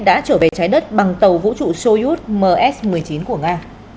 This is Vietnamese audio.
đã trở về trái đất bằng tàu vũ trụ soyuth ms một mươi chín của nga